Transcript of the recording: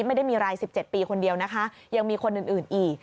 ไม่ได้มีราย๑๗ปีคนเดียวนะคะยังมีคนอื่นอีก